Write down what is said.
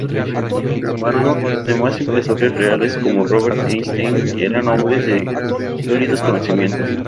Sin embargo, los demás impresores reales, como Robert Estienne, eran hombres de sólidos conocimientos.